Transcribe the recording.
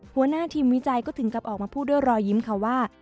หัวหน้าทีมวิจัยก็ถึงกับออกมาพูดด้วยรอยยิ้มค่ะว่า